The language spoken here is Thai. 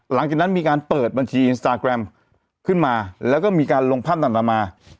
หลังจากนั้นมีการเปิดบัญชีอินสตาแกรมขึ้นมาแล้วก็มีการลงภาพต่างมา